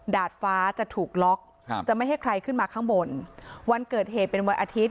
ดาดฟ้าจะถูกล็อกครับจะไม่ให้ใครขึ้นมาข้างบนวันเกิดเหตุเป็นวันอาทิตย